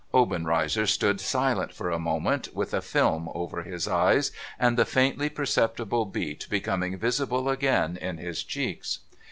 Obenreizer stood silent for a moment, with a film over his eyes, and the fixintly perceptible beat becoming visible again in his cheeks.